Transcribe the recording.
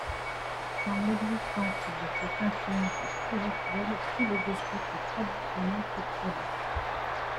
Sans l'existence de cette influence spirituelle, tout l'édifice traditionnel s'écroule.